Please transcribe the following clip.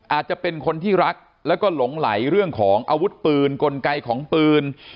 อาจจะเป็นคนที่รักแล้วก็หลงไหลเรื่องของอาวุธปืนกลไกของปืน